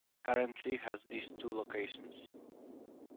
Currently has these two locations.